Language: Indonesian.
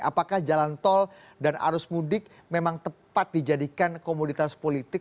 apakah jalan tol dan arus mudik memang tepat dijadikan komoditas politik